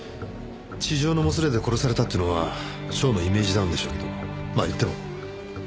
痴情のもつれで殺されたっていうのは省のイメージダウンでしょうけどまあ言っても個人の話ですし。